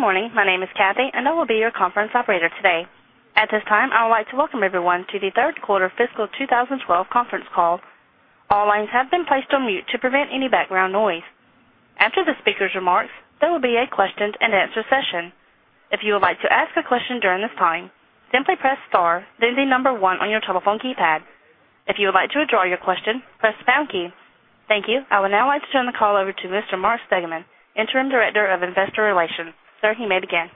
Good morning. My name is Kathy, and I will be your conference operator today. At this time, I would like to welcome everyone to the third quarter fiscal 2012 conference call. All lines have been placed on mute to prevent any background noise. After the speaker's remarks, there will be a question and answer session. If you would like to ask a question during this time, simply press star, then the number one on your telephone keypad. If you would like to withdraw your question, press pound key. Thank you. I would now like to turn the call over to Mr. Mark Stegeman, Interim Director of Investor Relations. Sir, you may begin.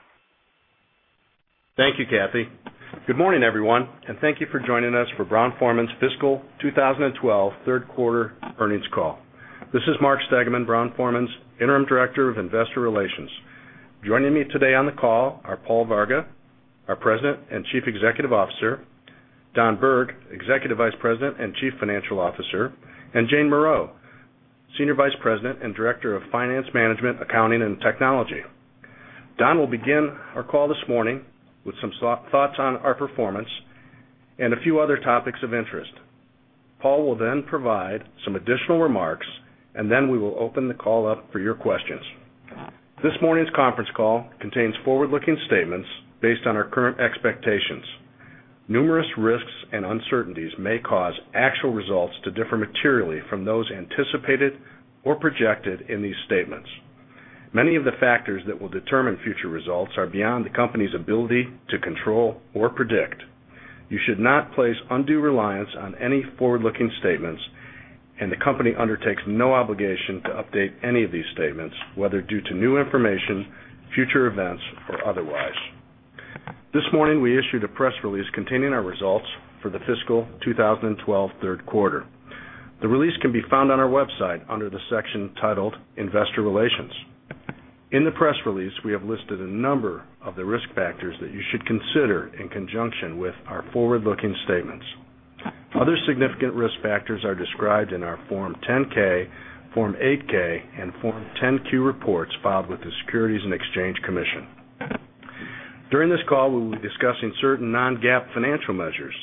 Thank you, Kathy. Good morning, everyone, and thank you for joining us for Brown-Forman's fiscal 2012 third quarter earnings call. This is Mark Stegeman, Brown-Forman's Interim Director of Investor Relations. Joining me today on the call are Paul Varga, our President and Chief Executive Officer, Don Berg, Executive Vice President and Chief Financial Officer, and Jane Morreau, Senior Vice President and Director of Finance Management, Accounting, and Technology. Don will begin our call this morning with some thoughts on our performance and a few other topics of interest. Paul will then provide some additional remarks, and we will open the call up for your questions. This morning's conference call contains forward-looking statements based on our current expectations. Numerous risks and uncertainties may cause actual results to differ materially from those anticipated or projected in these statements. Many of the factors that will determine future results are beyond the company's ability to control or predict. You should not place undue reliance on any forward-looking statements, and the company undertakes no obligation to update any of these statements, whether due to new information, future events, or otherwise. This morning, we issued a press release containing our results for the fiscal 2012 third quarter. The release can be found on our website under the section titled "Investor Relations." In the press release, we have listed a number of the risk factors that you should consider in conjunction with our forward-looking statements. Other significant risk factors are described in our Form 10-K, Form 8-K, and Form 10-Q reports filed with the Securities and Exchange Commission. During this call, we will be discussing certain non-GAAP financial measures.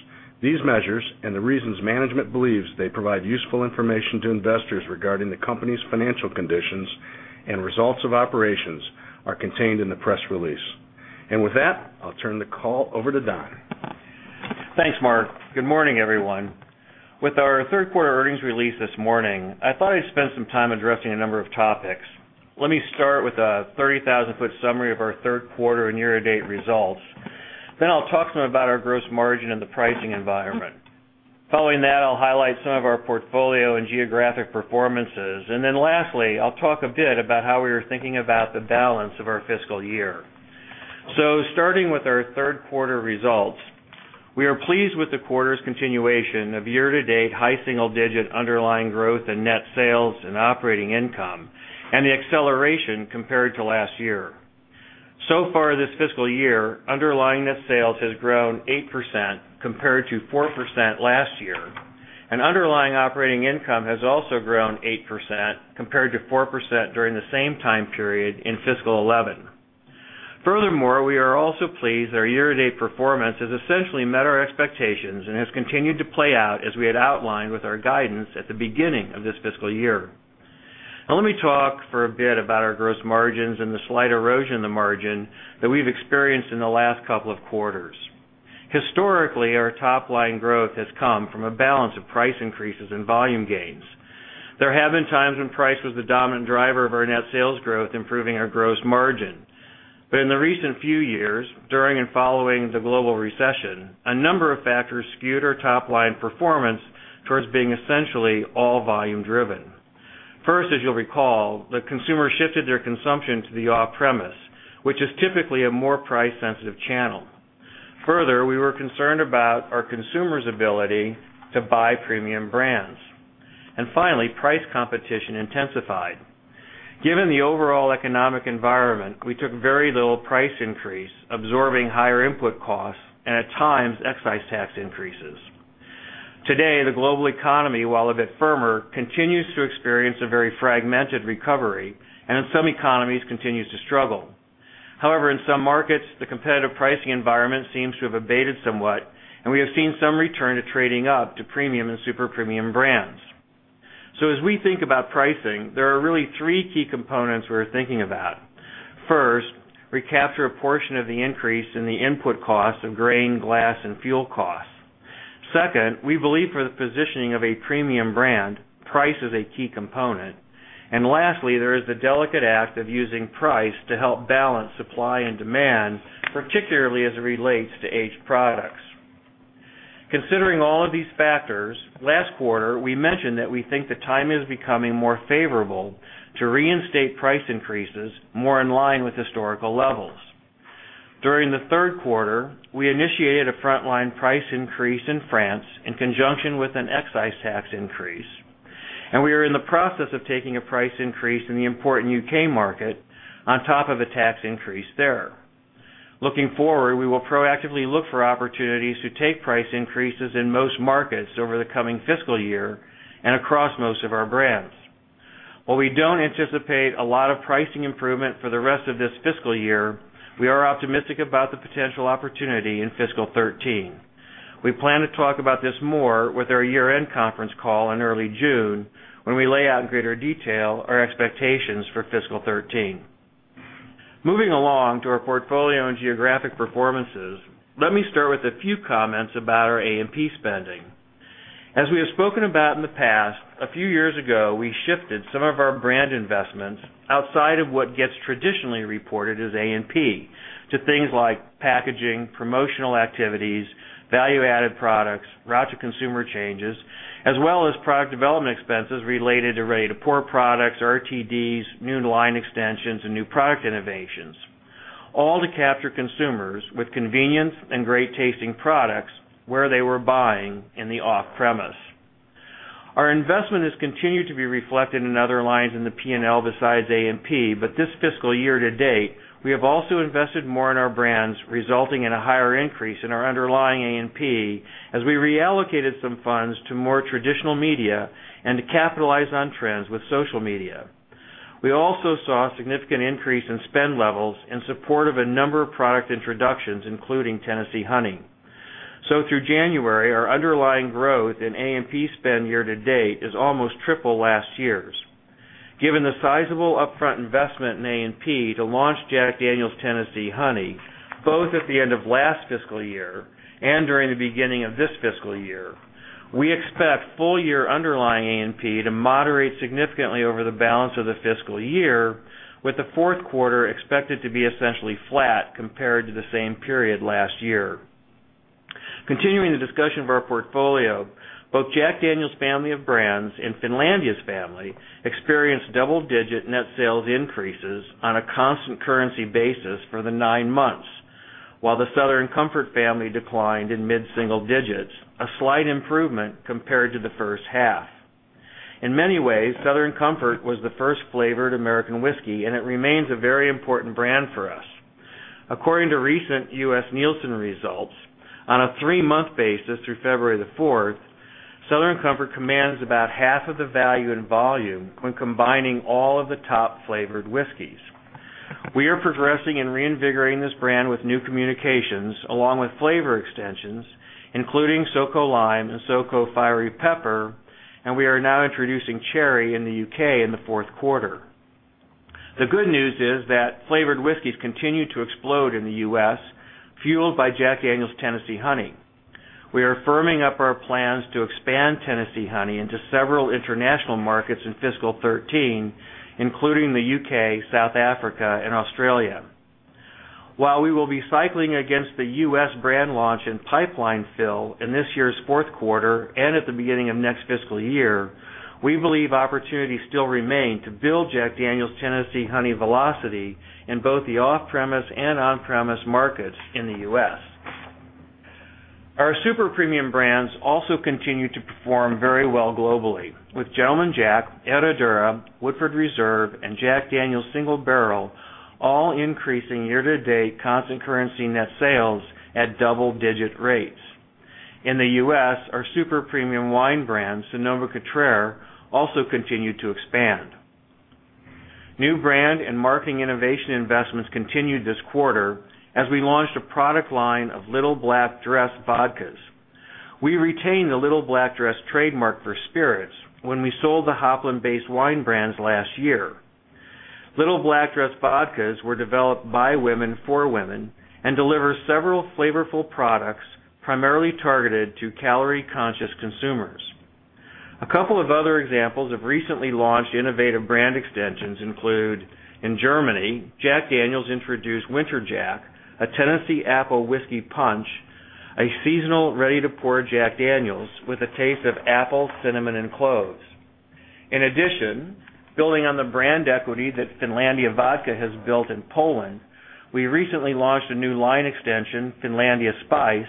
These measures and the reasons management believes they provide useful information to investors regarding the company's financial conditions and results of operations are contained in the press release. With that, I'll turn the call over to Don. Thanks, Mark. Good morning, everyone. With our third quarter earnings release this morning, I thought I'd spend some time addressing a number of topics. Let me start with a 30,000 ft summary of our third quarter and year-to-date results. I'll talk some about our gross margin and the pricing environment. Following that, I'll highlight some of our portfolio and geographic performances. Lastly, I'll talk a bit about how we are thinking about the balance of our fiscal year. Starting with our third quarter results, we are pleased with the quarter's continuation of year-to-date high single-digit underlying growth in net sales and operating income and the acceleration compared to last year. So far, this fiscal year, underlying net sales has grown 8% compared to 4% last year, and underlying operating income has also grown 8% compared to 4% during the same time period in fiscal 2011. Furthermore, we are also pleased that our year-to-date performance has essentially met our expectations and has continued to play out as we had outlined with our guidance at the beginning of this fiscal year. Now, let me talk for a bit about our gross margins and the slight erosion in the margin that we've experienced in the last couple of quarters. Historically, our top-line growth has come from a balance of price increases and volume gains. There have been times when price was the dominant driver of our net sales growth, improving our gross margin. In the recent few years, during and following the global recession, a number of factors skewed our top-line performance towards being essentially all volume-driven. First, as you'll recall, the consumer shifted their consumption to the off-premise, which is typically a more price-sensitive channel. Further, we were concerned about our consumer's ability to buy premium brands. Finally, price competition intensified. Given the overall economic environment, we took very little price increase, absorbing higher input costs and, at times, excise tax increases. Today, the global economy, while a bit firmer, continues to experience a very fragmented recovery and, in some economies, continues to struggle. In some markets, the competitive pricing environment seems to have abated somewhat, and we have seen some return to trading up to premium and super-premium brands. As we think about pricing, there are really three key components we're thinking about. First, we capture a portion of the increase in the input costs of grain, glass, and fuel costs. Second, we believe for the positioning of a premium brand, price is a key component. Lastly, there is the delicate act of using price to help balance supply and demand, particularly as it relates to aged products. Considering all of these factors, last quarter, we mentioned that we think the time is becoming more favorable to reinstate price increases more in line with historical levels. During the third quarter, we initiated a front-line price increase in France in conjunction with an excise tax increase, and we are in the process of taking a price increase in the important U.K. market on top of a tax increase there. Looking forward, we will proactively look for opportunities to take price increases in most markets over the coming fiscal year and across most of our brands. While we don't anticipate a lot of pricing improvement for the rest of this fiscal year, we are optimistic about the potential opportunity in fiscal 2013. We plan to talk about this more with our year-end conference call in early June, when we lay out in greater detail our expectations for fiscal 2013. Moving along to our portfolio and geographic performances, let me start with a few comments about our A&P spending. As we have spoken about in the past, a few years ago, we shifted some of our brand investments outside of what gets traditionally reported as A&P to things like packaging, promotional activities, value-added products, route-to-consumer changes, as well as product development expenses related to ready-to-pour products, RTDs, new line extensions, and new product innovations, all to capture consumers with convenience and great-tasting products where they were buying in the off-premise. Our investment has continued to be reflected in other lines in the P&L besides A&P, but this fiscal year to date, we have also invested more in our brands, resulting in a higher increase in our underlying A&P as we reallocated some funds to more traditional media and to capitalize on trends with social media. We also saw a significant increase in spend levels in support of a number of product introductions, including Jack Daniel's Tennessee Honey. Through January, our underlying growth in A&P spend year to date is almost triple last year's. Given the sizable upfront investment in A&P to launch Jack Daniel's Tennessee Honey, both at the end of last fiscal year and during the beginning of this fiscal year, we expect full-year underlying A&P to moderate significantly over the balance of the fiscal year, with the fourth quarter expected to be essentially flat compared to the same period last year. Continuing the discussion of our portfolio, both Jack Daniel's family of brands and Finlandia's family experienced double-digit net sales increases on a constant currency basis for the nine months, while the Southern Comfort family declined in mid-single digits, a slight improvement compared to the first half. In many ways, Southern Comfort was the first flavored American whiskey, and it remains a very important brand for us. According to recent U.S. Nielsen results, on a three-month basis through February 4, Southern Comfort commands about half of the value in volume when combining all of the top flavored whiskeys. We are progressing in reinvigorating this brand with new communications along with flavor extensions, including SoCo Lime and SoCo Fiery Pepper, and we are now introducing Cherry in the U.K. in the fourth quarter. The good news is that flavored whiskeys continue to explode in the U.S., fueled by Jack Daniel's Tennessee Honey. We are firming up our plans to expand Tennessee Honey into several international markets in fiscal 2013, including the U.K., South Africa, and Australia. While we will be cycling against the U.S. brand launch and pipeline fill in this year's fourth quarter and at the beginning of next fiscal year, we believe opportunities still remain to build Jack Daniel's Tennessee Honey velocity in both the off-premise and on-premise markets in the U.S. Our super-premium brands also continue to perform very well globally, with Gentleman Jack, Herradura, Woodford Reserve, and Jack Daniel's Single Barrel all increasing year-to-date constant currency net sales at double-digit rates. In the U.S., our super-premium wine brand, Sonoma-Cutrer, also continued to expand. New brand and marketing innovation investments continued this quarter as we launched a product line of Little Black Dress vodkas. We retained the Little Black Dress trademark for spirits when we sold the Hopland-based wine brands last year. Little Black Dress vodkas were developed by women for women and deliver several flavorful products primarily targeted to calorie-conscious consumers. A couple of other examples of recently launched innovative brand extensions include, in Germany, Jack Daniel's introduced Winter Jack, a Tennessee apple whiskey punch, a seasonal ready-to-pour Jack Daniel's with a taste of apple, cinnamon, and cloves. In addition, building on the brand equity that Finlandia has built in Poland, we recently launched a new line extension, Finlandia Spice,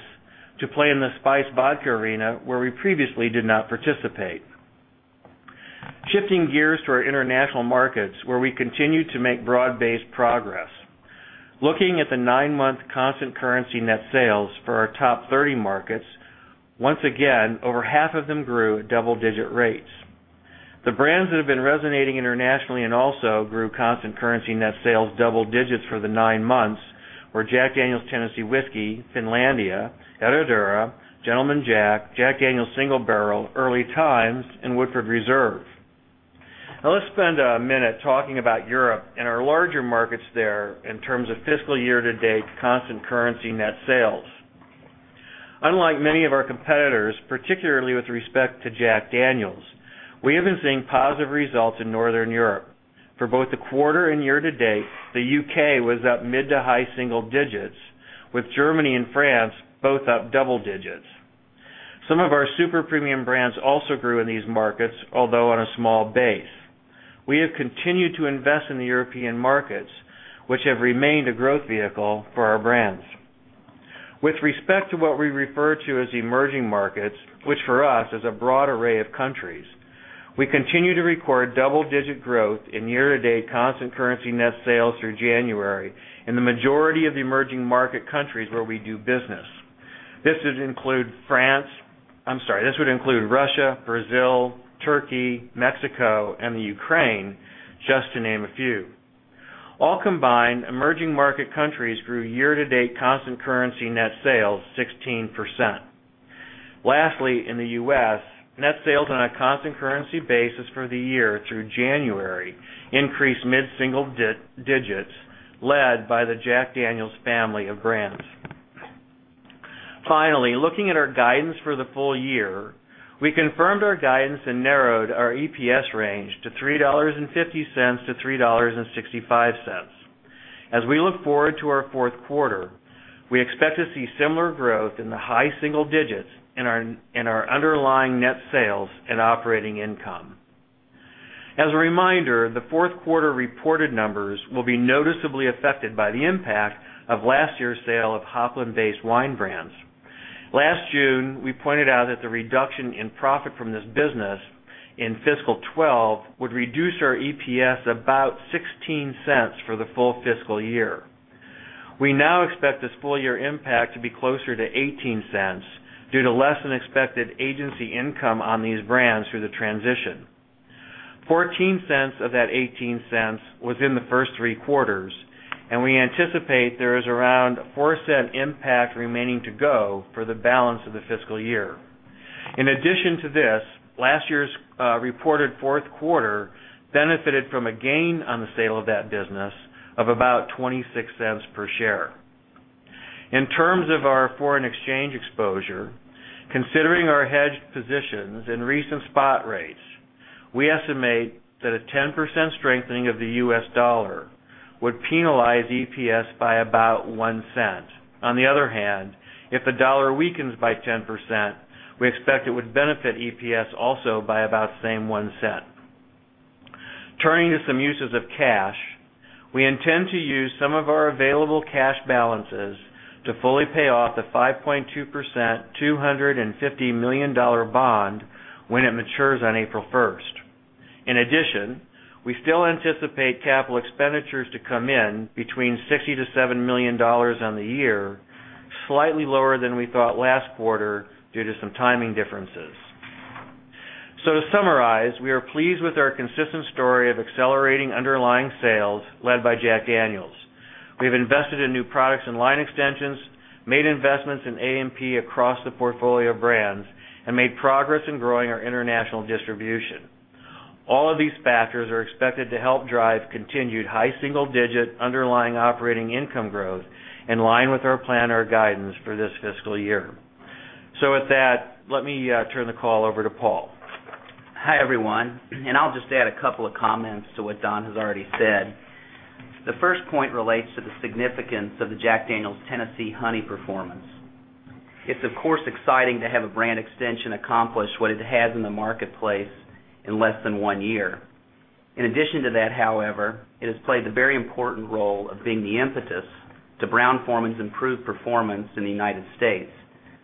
to play in the spice vodka arena where we previously did not participate. Shifting gears to our international markets where we continue to make broad-based progress. Looking at the nine-month constant currency net sales for our top 30 markets, once again, over half of them grew at double-digit rates. The brands that have been resonating internationally and also grew constant currency net sales double digits for the nine months were Jack Daniel's Tennessee Whiskey, Finlandia, El Jimador, Gentleman Jack, Jack Daniel's Single Barrel, Early Times, and Woodford Reserve. Now, let's spend a minute talking about Europe and our larger markets there in terms of fiscal year to date constant currency net sales. Unlike many of our competitors, particularly with respect to Jack Daniel's, we have been seeing positive results in Northern Europe. For both the quarter and year to date, the U.K. was up mid to high single digits, with Germany and France both up double digits. Some of our super-premium brands also grew in these markets, although on a small base. We have continued to invest in the European markets, which have remained a growth vehicle for our brands. With respect to what we refer to as emerging markets, which for us is a broad array of countries, we continue to record double-digit growth in year-to-date constant currency net sales through January in the majority of the emerging market countries where we do business. This would include Russia, Brazil, Turkey, Mexico, and Ukraine, just to name a few. All combined, emerging market countries grew year-to-date constant currency net sales 16%. Lastly, in the U.S., net sales on a constant currency basis for the year through January increased mid-single digits led by the Jack Daniel's family of brands. Finally, looking at our guidance for the full year, we confirmed our guidance and narrowed our EPS range to $3.50-$3.65. As we look forward to our fourth quarter, we expect to see similar growth in the high single digits in our underlying net sales and operating income. As a reminder, the fourth quarter reported numbers will be noticeably affected by the impact of last year's sale of Hopland-based wine brands. Last June, we pointed out that the reduction in profit from this business in fiscal 2012 would reduce our EPS about $0.16 for the full fiscal year. We now expect this full-year impact to be closer to $0.18 due to less than expected agency income on these brands through the transition. $0.14 of that $0.18 was in the first three quarters, and we anticipate there is around a $0.04 impact remaining to go for the balance of the fiscal year. In addition to this, last year's reported fourth quarter benefited from a gain on the sale of that business of about $0.26 per share. In terms of our foreign exchange exposure, considering our hedged positions and recent spot rates, we estimate that a 10% strengthening of the U.S. dollar would penalize EPS by about $0.01. On the other hand, if the dollar weakens by 10%, we expect it would benefit EPS also by about the same $0.01. Turning to some uses of cash, we intend to use some of our available cash balances to fully pay off the 5.2% $250 million bond when it matures on April 1st. In addition, we still anticipate capital expenditures to come in between $60 million-$70 million on the year, slightly lower than we thought last quarter due to some timing differences. To summarize, we are pleased with our consistent story of accelerating underlying sales led by Jack Daniel's. We've invested in new products and line extensions, made investments in A&P across the portfolio of brands, and made progress in growing our international distribution. All of these factors are expected to help drive continued high single-digit underlying operating income growth in line with our plan or guidance for this fiscal year. With that, let me turn the call over to Paul. Hi, everyone. I'll just add a couple of comments to what Don has already said. The first point relates to the significance of the Jack Daniel's Tennessee Honey performance. It's, of course, exciting to have a brand extension accomplish what it has in the marketplace in less than one year. In addition to that, however, it has played the very important role of being the impetus to Brown-Forman's improved performance in the United States,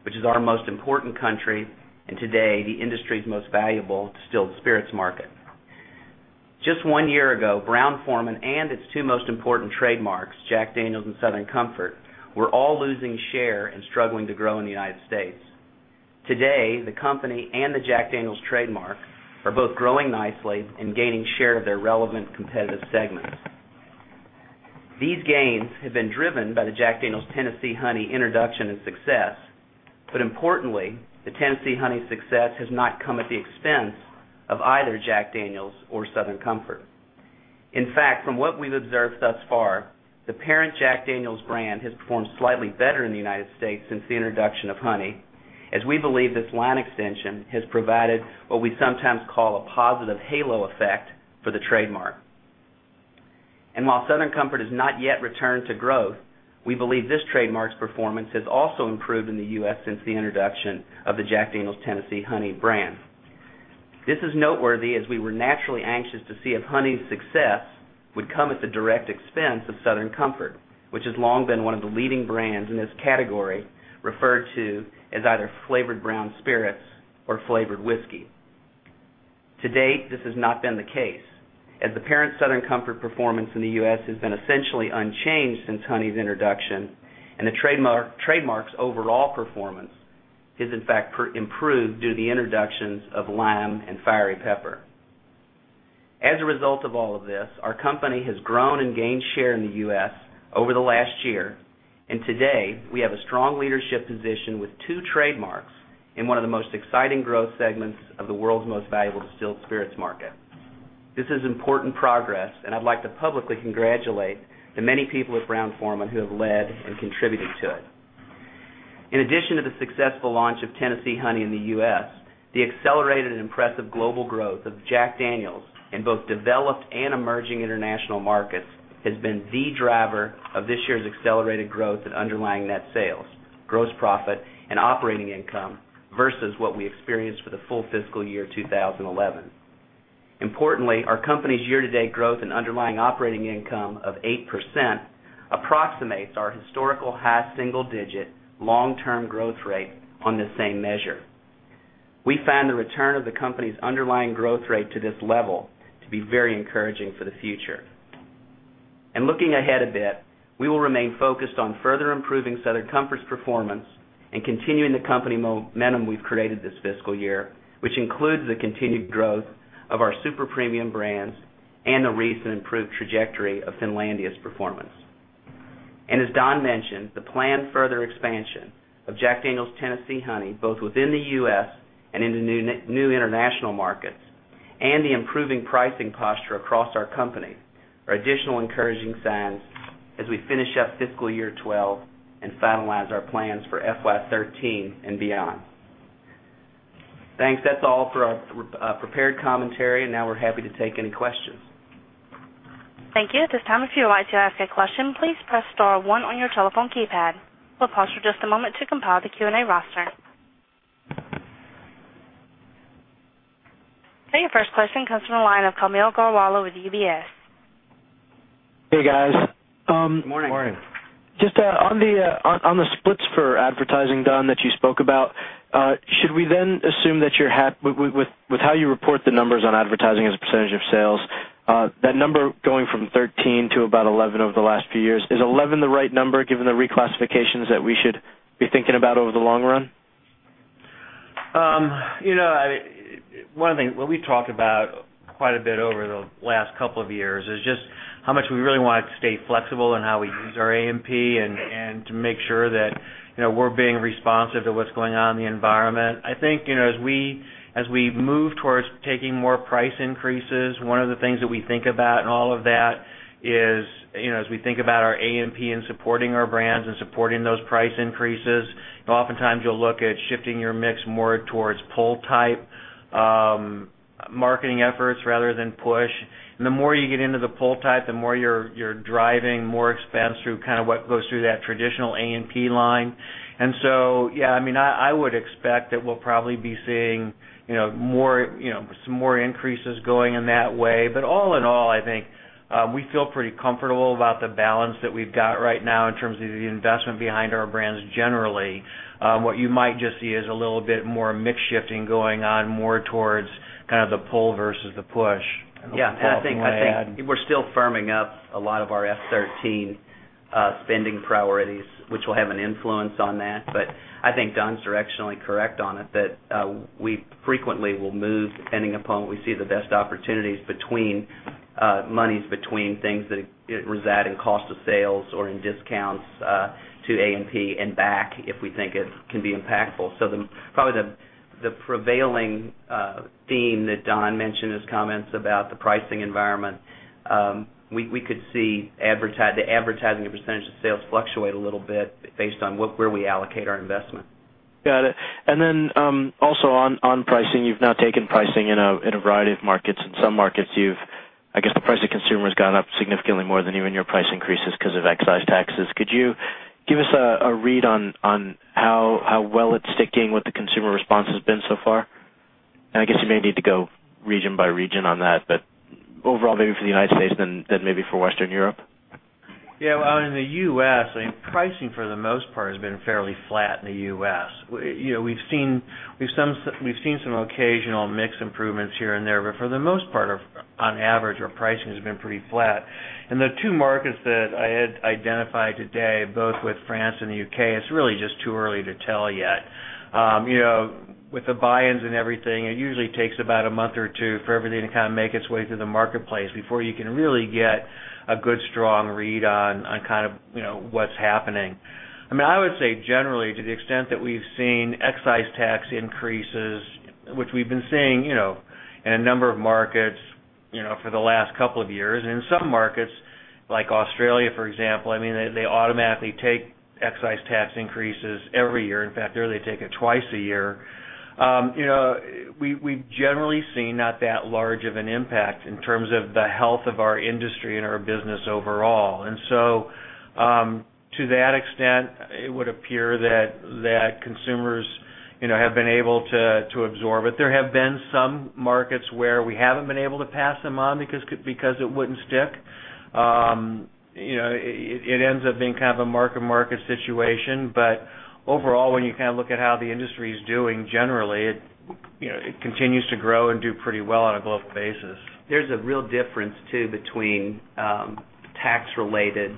which is our most important country and today the industry's most valuable distilled spirits market. Just one year ago, Brown-Forman and its two most important trademarks, Jack Daniel's and Southern Comfort, were all losing share and struggling to grow in the United States. Today, the company and the Jack Daniel's trademark are both growing nicely and gaining share of their relevant competitive segments. These gains have been driven by the Jack Daniel's Tennessee Honey introduction and success. Importantly, the Tennessee Honey success has not come at the expense of either Jack Daniel's or Southern Comfort. In fact, from what we've observed thus far, the parent Jack Daniel's brand has performed slightly better in the United States since the introduction of Honey, as we believe this line extension has provided what we sometimes call a positive halo effect for the trademark. While Southern Comfort has not yet returned to growth, we believe this trademark's performance has also improved in the U.S. since the introduction of the Jack Daniel's Tennessee Honey brand. This is noteworthy as we were naturally anxious to see if Honey's success would come at the direct expense of Southern Comfort, which has long been one of the leading brands in this category referred to as either flavored brown spirits or flavored whiskey. To date, this has not been the case, as the parent Southern Comfort performance in the U.S. has been essentially unchanged since Honey's introduction, and the trademark's overall performance has, in fact, improved due to the introductions of Lime and Fiery Pepper. As a result of all of this, our company has grown and gained share in the U.S. over the last year, and today we have a strong leadership position with two trademarks in one of the most exciting growth segments of the world's most valuable distilled spirits market. This is important progress, and I'd like to publicly congratulate the many people at Brown-Forman who have led and contributed to it. In addition to the successful launch of Jack Daniel's Tennessee Honey in the U.S., the accelerated and impressive global growth of Jack Daniel's in both developed and emerging international markets has been the driver of this year's accelerated growth in underlying net sales, gross profit, and operating income versus what we experienced for the full fiscal year 2011. Importantly, our company's year-to-date growth in underlying operating income of 8% approximates our historical high single-digit long-term growth rate on this same measure. We found the return of the company's underlying growth rate to this level to be very encouraging for the future. Looking ahead a bit, we will remain focused on further improving Southern Comfort's performance and continuing the company momentum we've created this fiscal year, which includes the continued growth of our super-premium brands and the recent improved trajectory of Finlandia's performance. As Don Berg mentioned, the planned further expansion of Jack Daniel's Tennessee Honey, both within the U.S. and into new international markets, and the improving pricing posture across our company are additional encouraging signs as we finish up fiscal year 2012 and finalize our plans for fiscal year 2013 and beyond. Thanks. That's all for our prepared commentary, and now we're happy to take any questions. Thank you. At this time, if you would like to ask a question, please press star one on your telephone keypad. We'll pause for just a moment to compile the Q&A roster. Okay, your first question comes from a line of Kamille Garwala with UBS Investment Bank. Hey, guys. Good morning. Morning. Just on the splits for advertising, Don, that you spoke about, should we then assume that you're happy with how you report the numbers on advertising as a percentage of sales? That number going from 13% to about 11% over the last few years, is 11% the right number given the reclassifications that we should be thinking about over the long run? One of the things we talked about quite a bit over the last couple of years is just how much we really want to stay flexible in how we use our A&P and to make sure that we're being responsive to what's going on in the environment. I think as we move towards taking more price increases, one of the things that we think about in all of that is, as we think about our A&P and supporting our brands and supporting those price increases, oftentimes you'll look at shifting your mix more towards pull-type marketing efforts rather than push. The more you get into the pull type, the more you're driving more expense through what goes through that traditional A&P line. I would expect that we'll probably be seeing more increases going in that way. All in all, I think we feel pretty comfortable about the balance that we've got right now in terms of the investment behind our brands generally. What you might just see is a little bit more mix shifting going on more towards the pull versus the push. Yeah, I think we're still firming up a lot of our F13 spending priorities, which will have an influence on that. I think Don's directionally correct on it that we frequently will move depending upon what we see the best opportunities between monies, between things that reside in cost of sales or in discounts to A&P and back if we think it can be impactful. Probably the prevailing theme that Don mentioned in his comments about the pricing environment, we could see the advertising percent of sales fluctuate a little bit based on where we allocate our investment. Got it. Also, on pricing, you've now taken pricing in a variety of markets. In some markets, I guess the price to consumer has gone up significantly more than even your price increases because of excise taxes. Could you give us a read on how well it's sticking, what the consumer response has been so far? You may need to go region by region on that, but overall maybe for the United States, then maybe for Western Europe. Yeah, in the U.S., pricing for the most part has been fairly flat in the U.S. We've seen some occasional mix improvements here and there, but for the most part, on average, our pricing has been pretty flat. The two markets that I had identified today, both France and the U.K., it's really just too early to tell yet. With the buy-ins and everything, it usually takes about a month or two for everything to kind of make its way through the marketplace before you can really get a good strong read on what's happening. I would say generally, to the extent that we've seen excise tax increases, which we've been seeing in a number of markets for the last couple of years, and in some markets like Australia, for example, they automatically take excise tax increases every year. In fact, they take it twice a year. We've generally seen not that large of an impact in terms of the health of our industry and our business overall. To that extent, it would appear that consumers have been able to absorb it. There have been some markets where we haven't been able to pass them on because it wouldn't stick. It ends up being kind of a market-market situation. Overall, when you look at how the industry is doing generally, it continues to grow and do pretty well on a global basis. There's a real difference too between tax-related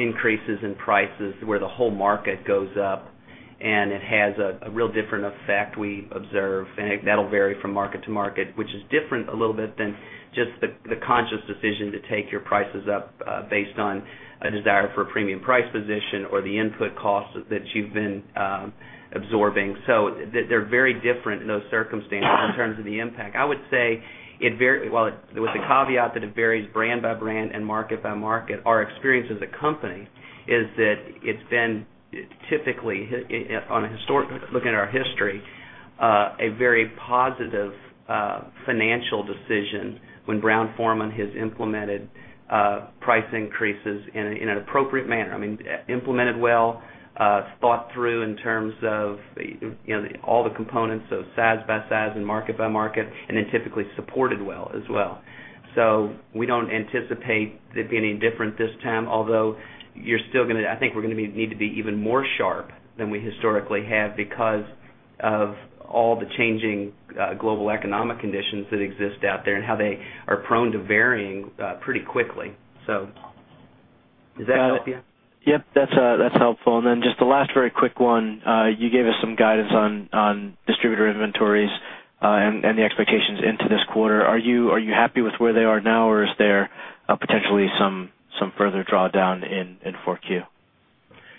increases in prices where the whole market goes up, and it has a real different effect we observe. That'll vary from market to market, which is different a little bit than just the conscious decision to take your prices up based on a desire for a premium price position or the input costs that you've been absorbing. They're very different in those circumstances in terms of the impact. I would say it, with the caveat that it varies brand by brand and market by market, our experience as a company is that it's been typically, looking at our history, a very positive financial decision when Brown-Forman has implemented price increases in an appropriate manner. I mean, implemented well, thought through in terms of all the components of SaaS by SaaS and market by market, and then typically supported well as well. We don't anticipate it being any different this time, although I think we're going to need to be even more sharp than we historically have because of all the changing global economic conditions that exist out there and how they are prone to varying pretty quickly. Does that help you? Yep, that's helpful. Just the last very quick one, you gave us some guidance on distributor inventories and the expectations into this quarter. Are you happy with where they are now, or is there potentially some further drawdown in Q4?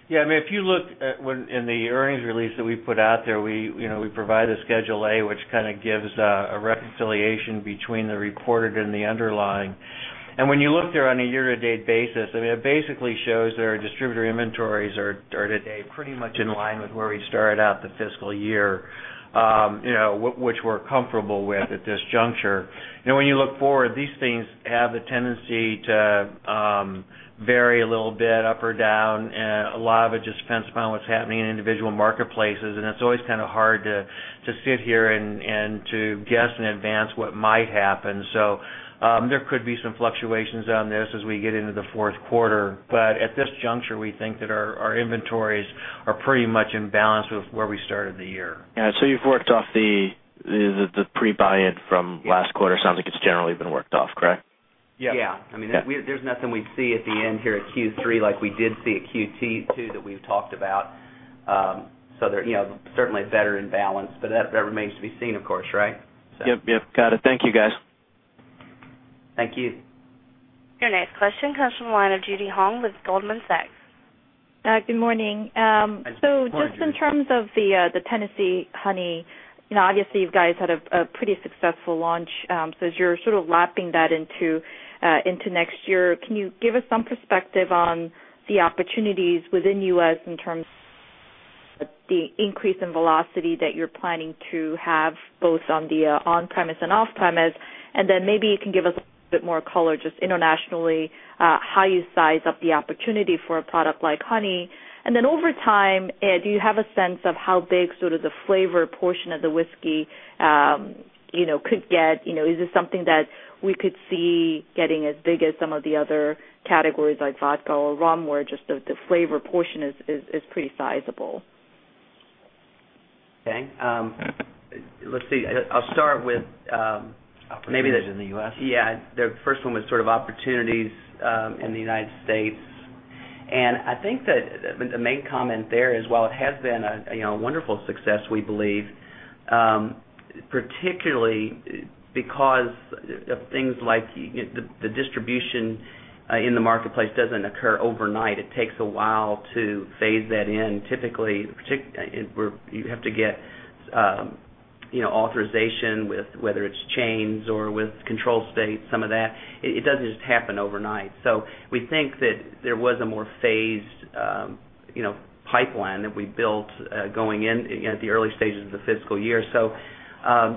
Yeah, I mean, if you look in the earnings release that we put out there, you know, we provide a Schedule A, which kind of gives a reconciliation between the reported and the underlying. When you look there on a year-to-date basis, it basically shows our distributor inventories are today pretty much in line with where we started out the fiscal year, which we're comfortable with at this juncture. When you look forward, these things have the tendency to vary a little bit up or down. A lot of it just depends upon what's happening in individual marketplaces, and it's always kind of hard to sit here and to guess in advance what might happen. There could be some fluctuations on this as we get into the fourth quarter. At this juncture, we think that our inventories are pretty much in balance with where we started the year. Yeah, so you've worked off the pre-buy-in from last quarter. Sounds like it's generally been worked off, correct? Yeah, I mean, there's nothing we see at the end here at Q3 like we did see at Q2 that we've talked about. They're certainly better in balance, but that remains to be seen, of course, right? Got it. Thank you, guys. Thank you. Your next question comes from a line of Judy Hong with Goldman Sachs Group. Good morning. Just in terms of the Tennessee Honey, you know, obviously you guys had a pretty successful launch. As you're sort of lapping that into next year, can you give us some perspective on the opportunities within the U.S. in terms of the increase in velocity that you're planning to have both on the on-premise and off-premise? Maybe you can give us a bit more color just internationally, how you size up the opportunity for a product like Honey. Over time, do you have a sense of how big sort of the flavor portion of the whiskey, you know, could get? Is this something that we could see getting as big as some of the other categories like vodka or rum where just the flavor portion is pretty sizable? Okay, let's see. I'll start with opportunities in the U.S. The first one was sort of opportunities in the United States. I think that the main comment there is while it has been a wonderful success, we believe, particularly because of things like the distribution in the marketplace, it doesn't occur overnight. It takes a while to phase that in. Typically, you have to get authorization with whether it's chains or with control states, some of that. It doesn't just happen overnight. We think that there was a more phased pipeline that we built going in at the early stages of the fiscal year.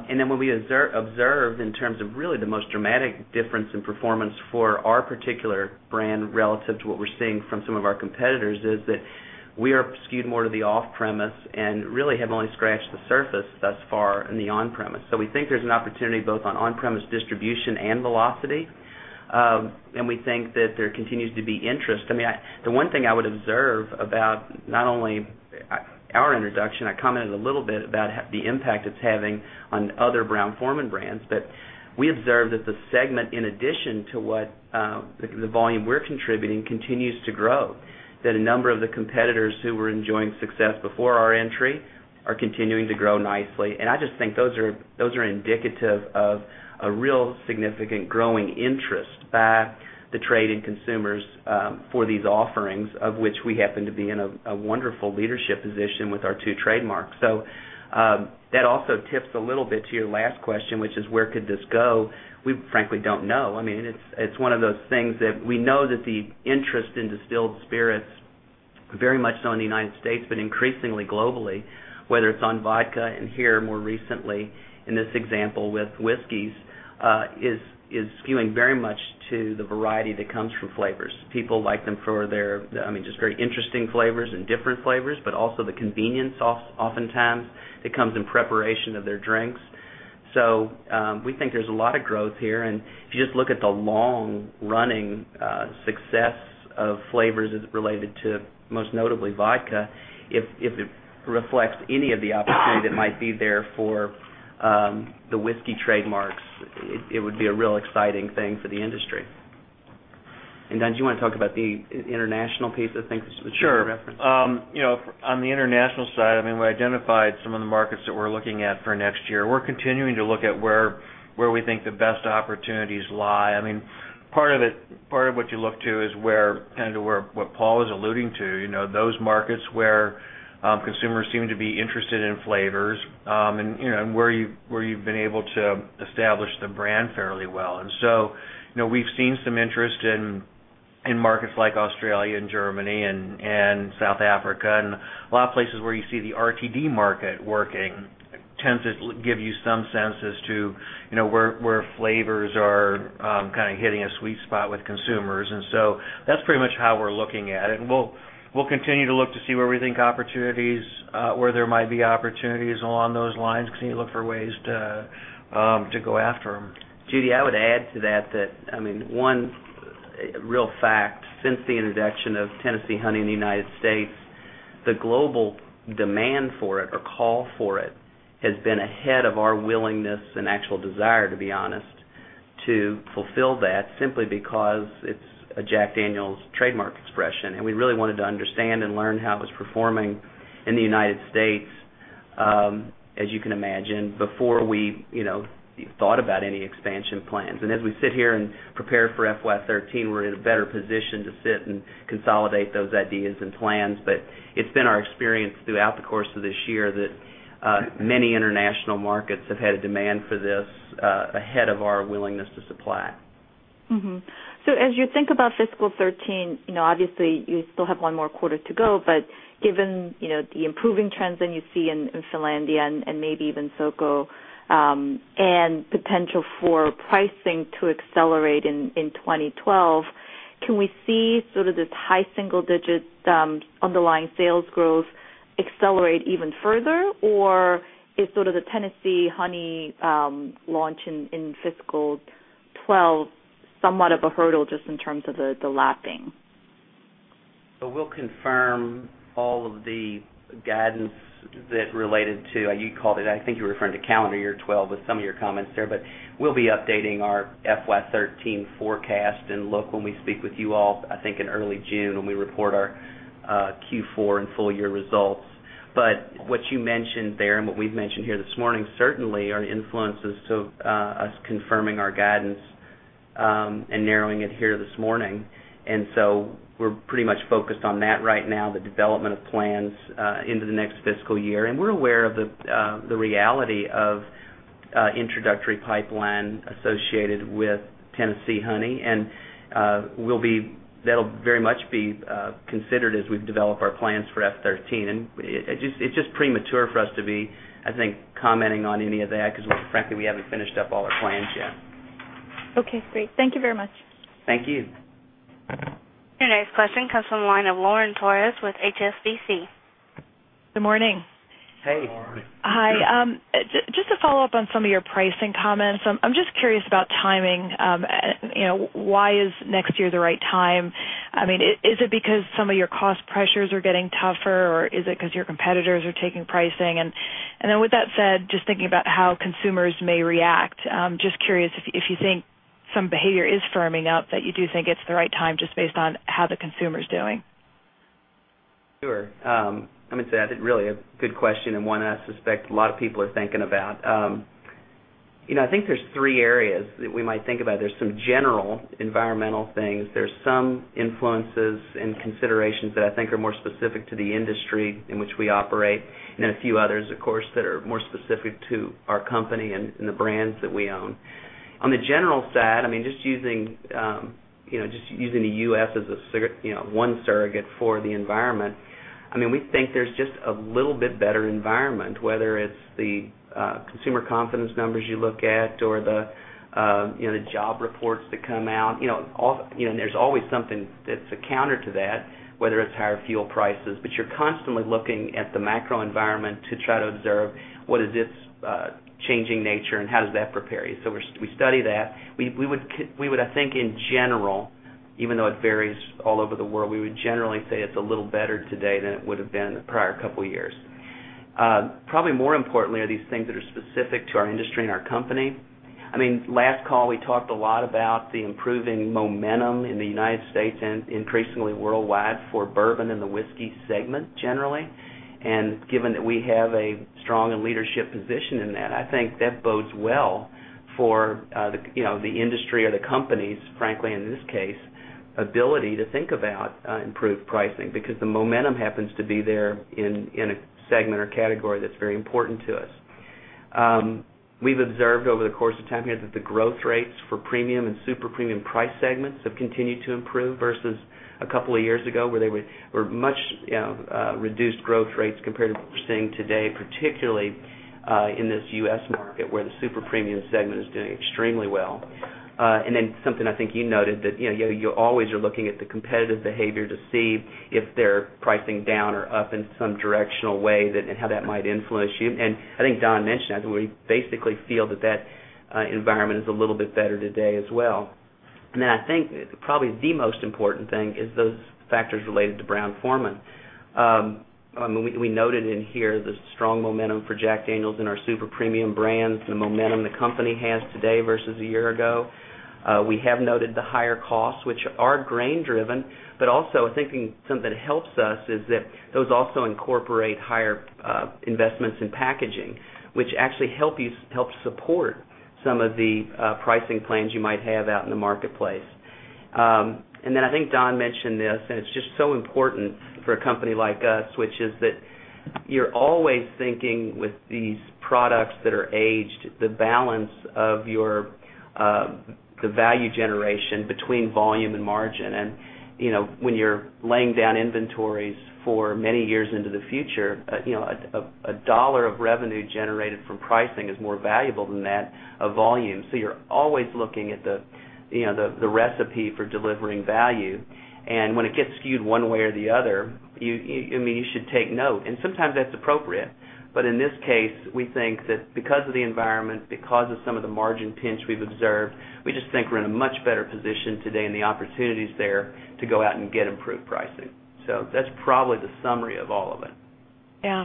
When we observed in terms of really the most dramatic difference in performance for our particular brand relative to what we're seeing from some of our competitors, we are skewed more to the off-premise and really have only scratched the surface thus far in the on-premise. We think there's an opportunity both on on-premise distribution and velocity. We think that there continues to be interest. The one thing I would observe about not only our introduction, I commented a little bit about the impact it's having on other Brown-Forman brands, but we observed that the segment, in addition to what the volume we're contributing, continues to grow. A number of the competitors who were enjoying success before our entry are continuing to grow nicely. I just think those are indicative of a real significant growing interest by the trade and consumers for these offerings, of which we happen to be in a wonderful leadership position with our two trademarks. That also tips a little bit to your last question, which is where could this go? We frankly don't know. It's one of those things that we know that the interest in distilled spirits, very much so in the United States, but increasingly globally, whether it's on vodka and here more recently in this example with whiskeys, is skewing very much to the variety that comes from flavors. People like them for their, I mean, just very interesting flavors and different flavors, but also the convenience oftentimes that comes in preparation of their drinks. We think there's a lot of growth here. If you just look at the long-running success of flavors related to most notably vodka, if it reflects any of the opportunity that might be there for the whiskey trademarks, it would be a real exciting thing for the industry. Don, do you want to talk about the international piece of things? Sure. On the international side, we identified some of the markets that we're looking at for next year. We're continuing to look at where we think the best opportunities lie. Part of it, part of what you look to is what Paul is alluding to, those markets where consumers seem to be interested in flavors and where you've been able to establish the brand fairly well. We've seen some interest in markets like Australia, Germany, and South Africa and a lot of places where you see the RTD market working. It tends to give you some sense as to where flavors are hitting a sweet spot with consumers. That's pretty much how we're looking at it. We'll continue to look to see where we think opportunities, where there might be opportunities along those lines, and continue to look for ways to go after them. Judy, I would add to that that, I mean, one real fact, since the introduction of Jack Daniel's Tennessee Honey in the United States, the global demand for it or call for it has been ahead of our willingness and actual desire, to be honest, to fulfill that simply because it's a Jack Daniel's trademark expression. We really wanted to understand and learn how it was performing in the United States, as you can imagine, before we thought about any expansion plans. As we sit here and prepare for FY 2013, we're in a better position to sit and consolidate those ideas and plans. It's been our experience throughout the course of this year that many international markets have had a demand for this ahead of our willingness to supply. As you think about fiscal 2013, you know, obviously you still have one more quarter to go, but given the improving trends that you see in Finlandia and maybe even Southern Comfort and potential for pricing to accelerate in 2012, can we see this high single-digit underlying sales growth accelerate even further? Or is the Tennessee Honey launch in fiscal 2012 somewhat of a hurdle just in terms of the lapping? We will confirm all of the guidance that's related to, you called it, I think you were referring to calendar year 2012 with some of your comments there, but we will be updating our FY 2013 forecast and look when we speak with you all, I think in early June when we report our Q4 and full-year results. What you mentioned there and what we've mentioned here this morning certainly are influences to us confirming our guidance and narrowing it here this morning. We are pretty much focused on that right now, the development of plans into the next fiscal year. We are aware of the reality of introductory pipeline associated with Jack Daniel's Tennessee Honey. That will very much be considered as we develop our plans for FY 2013. It is just premature for us to be, I think, commenting on any of that because frankly, we haven't finished up all our plans yet. Okay, great. Thank you very much. Thank you. Your next question comes from a line of Lauren Torres with HSBC. Good morning. Hey. Hi. Just to follow up on some of your pricing comments, I'm just curious about timing. Why is next year the right time? Is it because some of your cost pressures are getting tougher or is it because your competitors are taking pricing? With that said, just thinking about how consumers may react, just curious if you think some behavior is firming up that you do think it's the right time just based on how the consumer's doing. Sure. I mean, that's really a good question and one I suspect a lot of people are thinking about. I think there's three areas that we might think about. There's some general environmental things, some influences and considerations that I think are more specific to the industry in which we operate, and a few others, of course, that are more specific to our company and the brands that we own. On the general side, just using the U.S. as one surrogate for the environment, we think there's just a little bit better environment, whether it's the consumer confidence numbers you look at or the job reports that come out. There's always something that's a counter to that, whether it's higher fuel prices, but you're constantly looking at the macro environment to try to observe what is its changing nature and how does that prepare you. We study that. We would, I think, in general, even though it varies all over the world, generally say it's a little better today than it would have been in the prior couple of years. Probably more importantly are these things that are specific to our industry and our company. Last call, we talked a lot about the improving momentum in the United States and increasingly worldwide for bourbon and the whiskey segment generally. Given that we have a strong leadership position in that, I think that bodes well for the industry or the companies, frankly, in this case, the ability to think about improved pricing because the momentum happens to be there in a segment or category that's very important to us. We've observed over the course of time here that the growth rates for premium and super premium price segments have continued to improve versus a couple of years ago where there were much reduced growth rates compared to what we're seeing today, particularly in this U.S. market where the super premium segment is doing extremely well. Then something I think you noted, you always are looking at the competitive behavior to see if they're pricing down or up in some directional way and how that might influence you. I think Don mentioned that we basically feel that that environment is a little bit better today as well. I think probably the most important thing is those factors related to Brown-Forman. I mean, we noted in here the strong momentum for Jack Daniel's in our super premium brands and the momentum the company has today versus a year ago. We have noted the higher costs, which are grain-driven, but also I think something that helps us is that those also incorporate higher investments in packaging, which actually helps support some of the pricing plans you might have out in the marketplace. I think Don mentioned this, and it's just so important for a company like us, which is that you're always thinking with these products that are aged, the balance of the value generation between volume and margin. When you're laying down inventories for many years into the future, a dollar of revenue generated from pricing is more valuable than that of volume. You're always looking at the recipe for delivering value. When it gets skewed one way or the other, you should take note. Sometimes that's appropriate. In this case, we think that because of the environment, because of some of the margin pinch we've observed, we just think we're in a much better position today and the opportunities there to go out and get improved pricing. That's probably the summary of all of it. Yeah.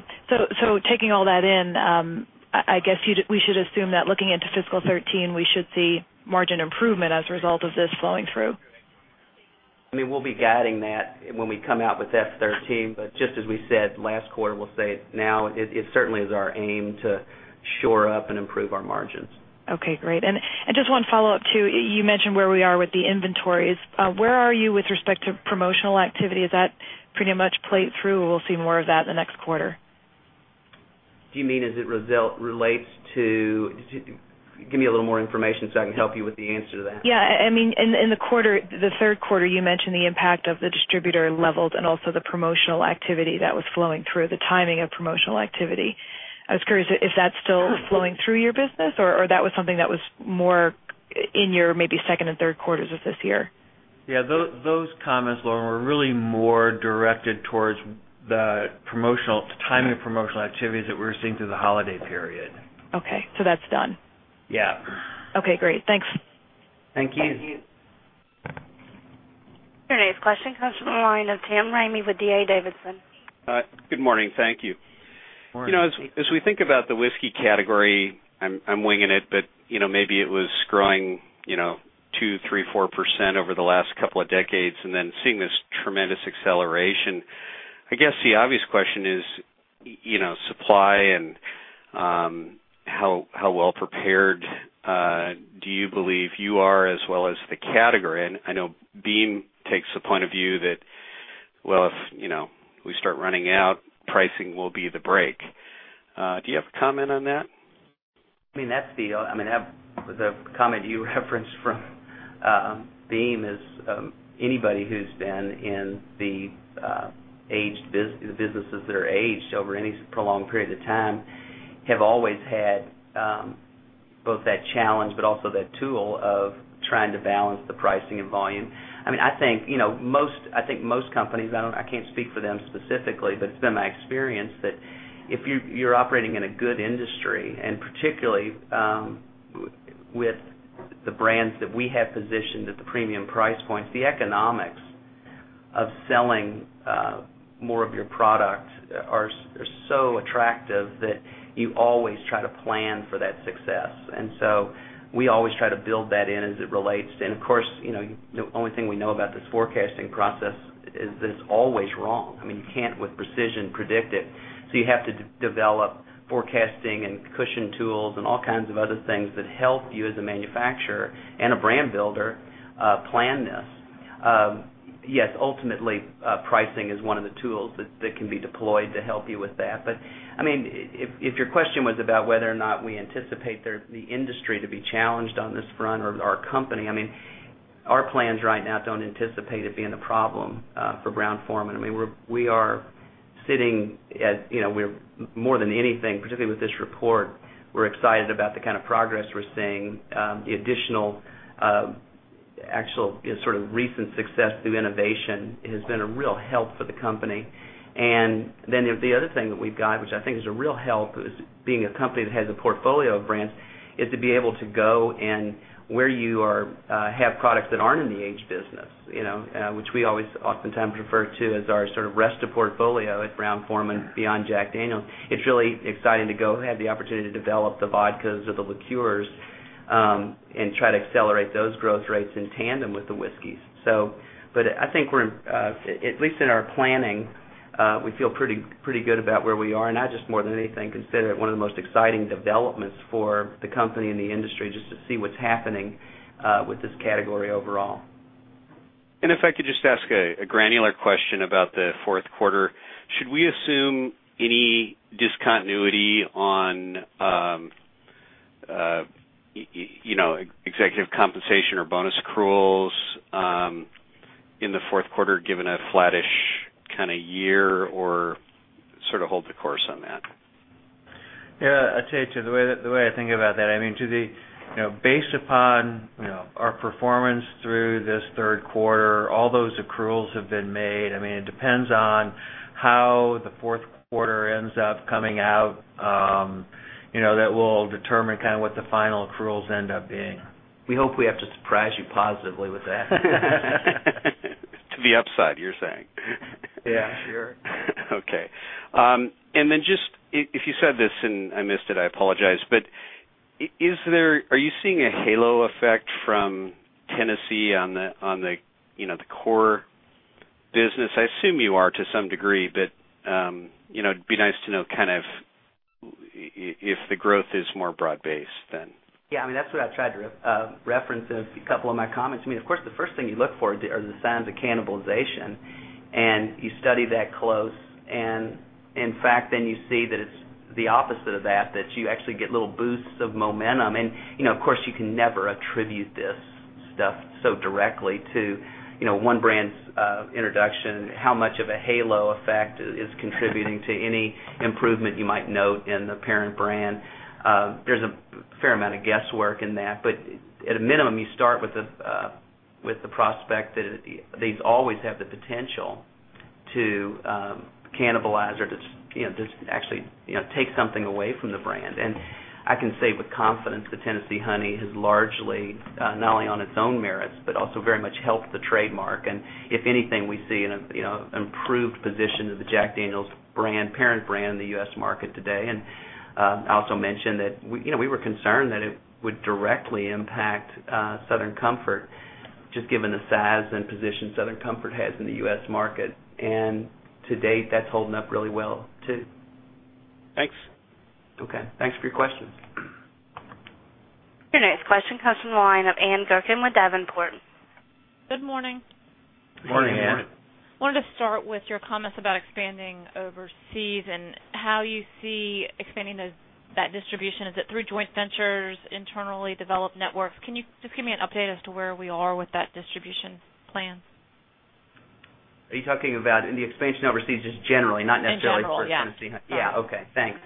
Taking all that in, I guess we should assume that looking into fiscal 2013, we should see margin improvement as a result of this flowing through. I mean, we'll be guiding that when we come out with F 2013, but just as we said last quarter, we'll say now it certainly is our aim to shore up and improve our margins. Okay, great. Just one follow-up too, you mentioned where we are with the inventories. Where are you with respect to promotional activity? Is that pretty much played through? We'll see more of that in the next quarter. Do you mean as it relates to, give me a little more information so I can help you with the answer to that? Yeah, I mean, in the quarter, the third quarter, you mentioned the impact of the distributor levels and also the promotional activity that was flowing through, the timing of promotional activity. I was curious if that's still flowing through your business or if that was something that was more in your maybe second and third quarters of this year. Yeah, those comments, Lauren, were really more directed towards the timing of promotional activities that we were seeing through the holiday period. Okay, so that's done. Yeah. Okay, great. Thanks. Thank you. Your next question comes from a line of Tim Ramey with D.A. Davidson. Good morning. Thank you. As we think about the whiskey category, maybe it was growing 2%, 3%, 4% over the last couple of decades and then seeing this tremendous acceleration. I guess the obvious question is supply and how well prepared do you believe you are as well as the category? I know Beam takes the point of view that if we start running out, pricing will be the break. Do you have a comment on that? That's the comment you referenced from Beam. Anybody who's been in the aged businesses that are aged over any prolonged period of time have always had both that challenge, but also that tool of trying to balance the pricing and volume. I think most companies, I can't speak for them specifically, but it's been my experience that if you're operating in a good industry and particularly with the brands that we have positioned at the premium price points, the economics of selling more of your product are so attractive that you always try to plan for that success. We always try to build that in as it relates to, and of course, the only thing we know about this forecasting process is that it's always wrong. You can't with precision predict it. You have to develop forecasting and cushion tools and all kinds of other things that help you as a manufacturer and a brand builder plan this. Ultimately, pricing is one of the tools that can be deployed to help you with that. If your question was about whether or not we anticipate the industry to be challenged on this front or our company, our plans right now don't anticipate it being a problem for Brown-Forman. We are sitting at, you know, we're more than anything, particularly with this report, we're excited about the kind of progress we're seeing. The additional actual sort of recent success through innovation has been a real help for the company. The other thing that we've got, which I think is a real help, is being a company that has a portfolio of brands, to be able to go and where you have products that aren't in the aged business, which we always oftentimes refer to as our sort of rest of portfolio at Brown-Forman beyond Jack Daniel's. It's really exciting to go have the opportunity to develop the vodkas or the liqueurs and try to accelerate those growth rates in tandem with the whiskeys. At least in our planning, we feel pretty good about where we are. I just, more than anything, consider it one of the most exciting developments for the company and the industry just to see what's happening with this category overall. If I could just ask a granular question about the fourth quarter, should we assume any discontinuity on executive compensation or bonus accruals in the fourth quarter given a flattish kind of year, or sort of hold the course on that? Yeah, I'll tell you, the way I think about that, I mean, Judy, based upon our performance through this third quarter, all those accruals have been made. It depends on how the fourth quarter ends up coming out, that will determine kind of what the final accruals end up being. We hope we have to surprise you positively with that. To the upside, you're saying? Yeah. Sure. Okay. If you said this and I missed it, I apologize, but are you seeing a halo effect from Tennessee on the core business? I assume you are to some degree, but it'd be nice to know if the growth is more broad-based then. Yeah, I mean, that's what I tried to reference in a couple of my comments. Of course, the first thing you look for are the signs of cannibalization. You study that close. In fact, then you see that it's the opposite of that, that you actually get little boosts of momentum. You know, of course, you can never attribute this stuff so directly to one brand's introduction, how much of a halo effect is contributing to any improvement you might note in the parent brand. There's a fair amount of guesswork in that, but at a minimum, you start with the prospect that these always have the potential to cannibalize or to just actually take something away from the brand. I can say with confidence that Jack Daniel's Tennessee Honey has largely, not only on its own merits, but also very much helped the trademark. If anything, we see an improved position of the Jack Daniel's brand, parent brand in the U.S. market today. I also mentioned that we were concerned that it would directly impact Southern Comfort, just given the size and position Southern Comfort has in the U.S. market. To date, that's holding up really well too. Thanks. Okay, thanks for your questions. Your next question comes from a line of Anne Gurkin with Davenport. Good morning. Morning, Anne. I wanted to start with your comments about expanding overseas and how you see expanding that distribution. Is it through joint ventures, internally developed networks? Can you just give me an update as to where we are with that distribution plan? Are you talking about in the expansion overseas just generally, not necessarily for Tennessee? Yeah, yeah. Yeah, okay, thanks.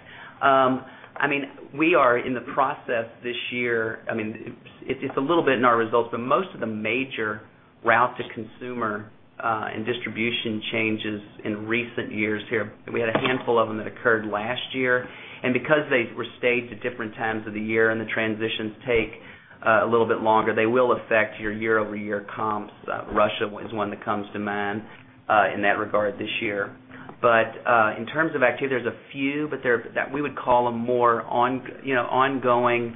I mean, we are in the process this year, I mean, it's a little bit in our results, but most of the major route to consumer and distribution changes in recent years here. We had a handful of them that occurred last year. Because they were staged at different times of the year and the transitions take a little bit longer, they will affect your year-over-year comps. Russia is one that comes to mind in that regard this year. In terms of activity, there's a few, but we would call them more ongoing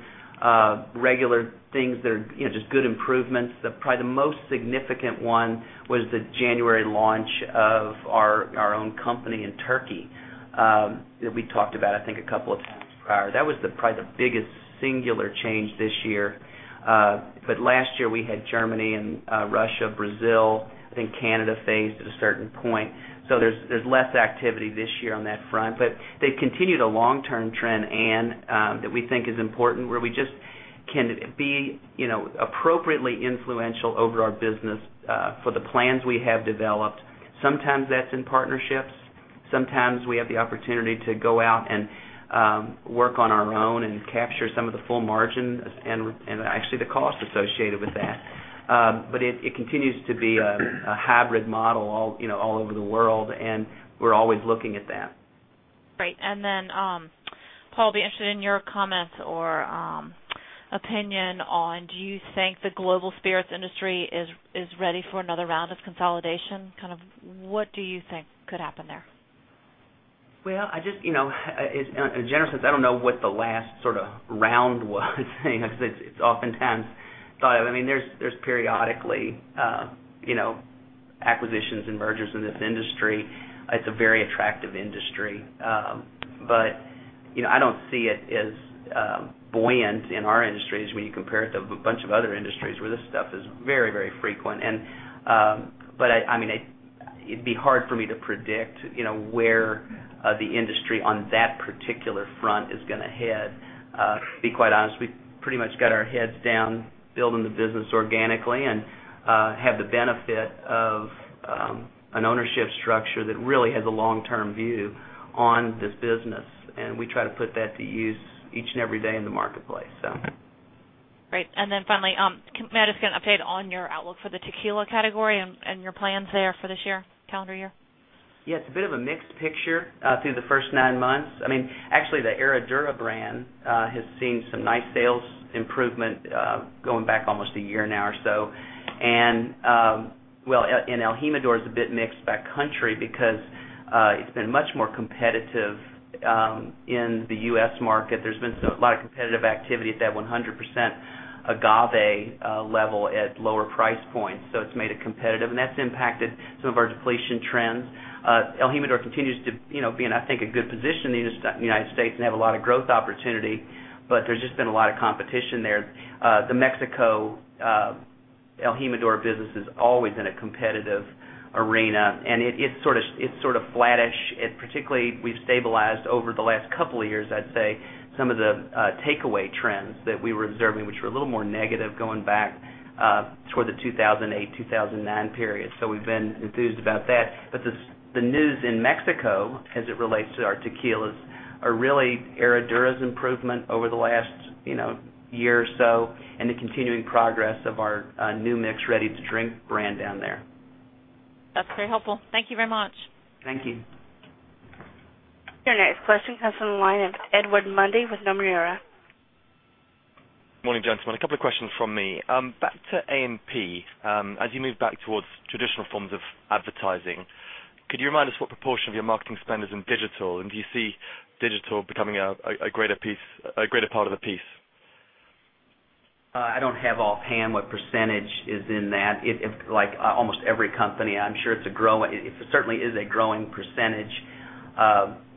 regular things that are just good improvements. Probably the most significant one was the January launch of our own company in Turkey that we talked about, I think a couple of... That was probably the biggest singular change this year. Last year, we had Germany and Russia, Brazil, I think Canada phased at a certain point. There's less activity this year on that front. They've continued a long-term trend, Anne, that we think is important where we just can be, you know, appropriately influential over our business for the plans we have developed. Sometimes that's in partnerships. Sometimes we have the opportunity to go out and work on our own and capture some of the full margin and actually the cost associated with that. It continues to be a hybrid model all over the world, and we're always looking at that. Great. Paul, I'd be interested in your comments or opinion on do you think the global spirits industry is ready for another round of consolidation? What do you think could happen there? In a general sense, I don't know what the last sort of round was, because it's oftentimes thought of. I mean, there's periodically acquisitions and mergers in this industry. It's a very attractive industry. I don't see it as buoyant in our industries when you compare it to a bunch of other industries where this stuff is very, very frequent. I mean, it'd be hard for me to predict where the industry on that particular front is going to head. To be quite honest, we pretty much got our heads down building the business organically and have the benefit of an ownership structure that really has a long-term view on this business. We try to put that to use each and every day in the marketplace. Great. Finally, may I just get an update on your outlook for the tequila category and your plans there for this year, calendar year? Yeah, it's a bit of a mixed picture through the first nine months. I mean, actually, the Herradura brand has seen some nice sales improvement going back almost a year now or so. El Jimador is a bit mixed by country because it's been much more competitive in the U.S. market. There's been a lot of competitive activity at that 100% agave level at lower price points. It's made it competitive, and that's impacted some of our depletion trends. El Jimador continues to, you know, be in, I think, a good position in the United States and have a lot of growth opportunity, but there's just been a lot of competition there. The Mexico El Jimador business is always in a competitive arena, and it's sort of flattish. Particularly, we've stabilized over the last couple of years, I'd say, some of the takeaway trends that we were observing, which were a little more negative going back toward the 2008-2009 period. We've been enthused about that. The news in Mexico as it relates to our tequilas is really Herradura's improvement over the last, you know, year or so and the continuing progress of our New Mix ready to drink brand down there. That's very helpful. Thank you very much. Thank you. Your next question comes from a line of Edward Mundy with Numis. Morning, gentlemen. A couple of questions from me. Back to A&P. As you move back towards traditional forms of advertising, could you remind us what proportion of your marketing spend is in digital, and do you see digital becoming a greater part of the piece? I don't have offhand what percentage is in that. Like almost every company, I'm sure it's a growing, it certainly is a growing percentage.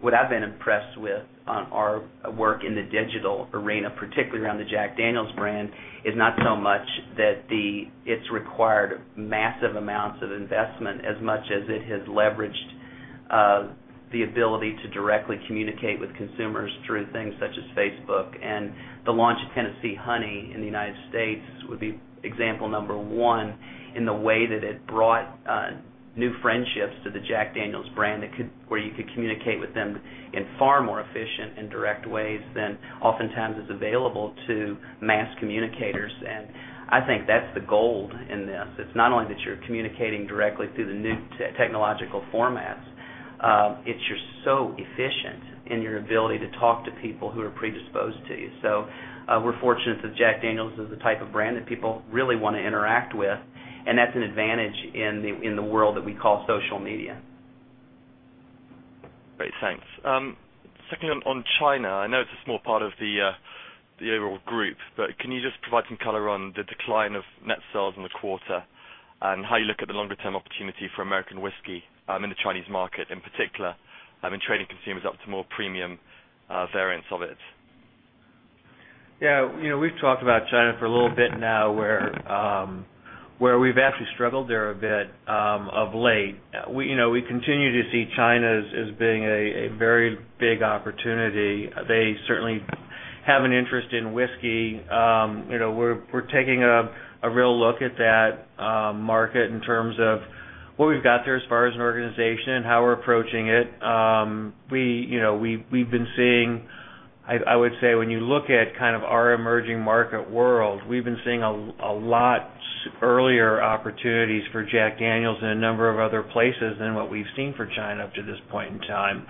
What I've been impressed with on our work in the digital arena, particularly around the Jack Daniel's brand, is not so much that it's required massive amounts of investment as much as it has leveraged the ability to directly communicate with consumers through things such as Facebook. The launch of Jack Daniel's Tennessee Honey in the United States would be example number one in the way that it brought new friendships to the Jack Daniel's brand where you could communicate with them in far more efficient and direct ways than oftentimes is available to mass communicators. I think that's the gold in this. It's not only that you're communicating directly through the new technological formats, it's you're so efficient in your ability to talk to people who are predisposed to you. We're fortunate that Jack Daniel's is the type of brand that people really want to interact with, and that's an advantage in the world that we call social media. Great, thanks. Secondly, on China, I know it's a small part of the overall group, but can you just provide some color on the decline of net sales in the quarter and how you look at the longer-term opportunity for American whiskey in the Chinese market, in particular, and training consumers up to more premium variants of it? Yeah, we've talked about China for a little bit now where we've actually struggled there a bit of late. We continue to see China as being a very big opportunity. They certainly have an interest in whiskey. We're taking a real look at that market in terms of what we've got there as far as an organization and how we're approaching it. We've been seeing, I would say, when you look at kind of our emerging market world, a lot earlier opportunities for Jack Daniel's in a number of other places than what we've seen for China up to this point in time.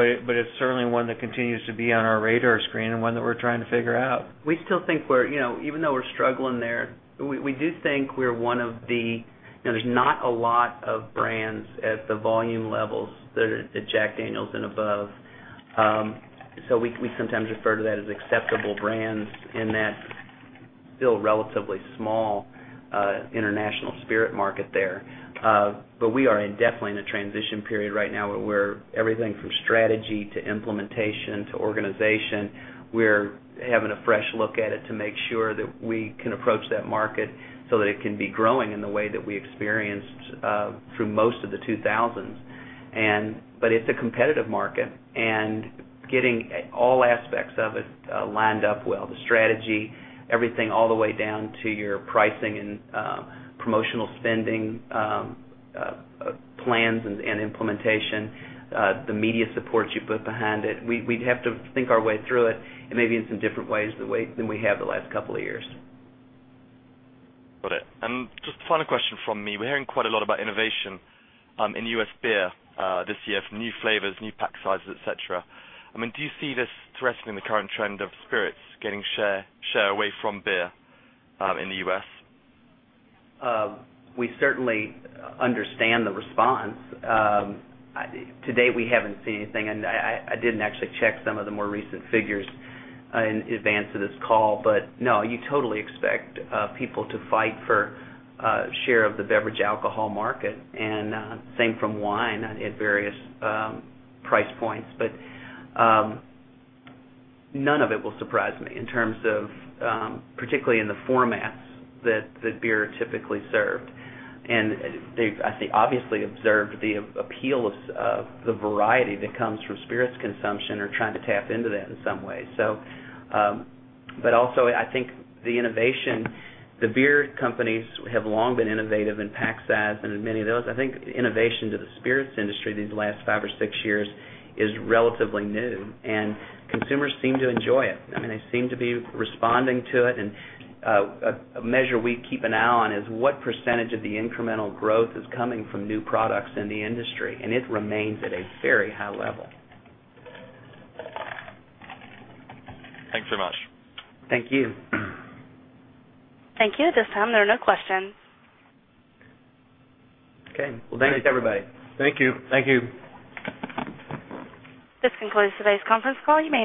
It's certainly one that continues to be on our radar screen and one that we're trying to figure out. We still think we're, even though we're struggling there, we do think we're one of the, there's not a lot of brands at the volume levels that are at Jack Daniel's and above. We sometimes refer to that as acceptable brands in that still relatively small international spirit market there. We are definitely in a transition period right now where everything from strategy to implementation to organization, we're having a fresh look at it to make sure that we can approach that market so that it can be growing in the way that we experienced through most of the 2000s. It's a competitive market and getting all aspects of it lined up well, the strategy, everything all the way down to your pricing and promotional spending plans and implementation, the media support you put behind it. We'd have to think our way through it and maybe in some different ways than we have the last couple of years. Got it. Just a final question from me. We're hearing quite a lot about innovation in U.S. beer this year, new flavors, new pack sizes, etc. Do you see this threatening the current trend of spirits getting share away from beer in the U.S.? We certainly understand the response. To date, we haven't seen anything. I didn't actually check some of the more recent figures in advance of this call, but no, you totally expect people to fight for share of the beverage alcohol market. Same from wine at various price points. None of it will surprise me in terms of particularly in the formats that beer is typically served. I think obviously observed the appeal of the variety that comes from spirits consumption or trying to tap into that in some way. I think the innovation, the beer companies have long been innovative in packaging and many of those. I think innovation to the spirits industry in the last five or six years is relatively new. Consumers seem to enjoy it. I mean, they seem to be responding to it. A measure we keep an eye on is what percentage of the incremental growth is coming from new products in the industry. It remains at a very high level. Thanks very much. Thank you. Thank you. At this time, there are no questions. Okay. Thanks everybody. Thank you. Thank you. This concludes today's conference call. You may.